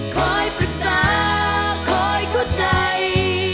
คอยปรึกษาคอยเข้าใจ